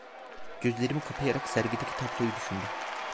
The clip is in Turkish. Gözlerimi kapayarak sergideki tabloyu düşündüm.